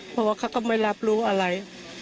เพราะว่าเขาก็ไม่รับรู้อะไร